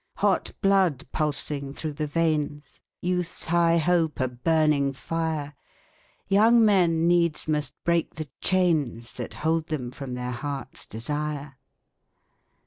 Hot blood pulsing through the veins, Youth's high hope a burning fire, Young men needs must break the chains That hold them from their hearts' desire.